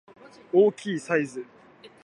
大きいサイズ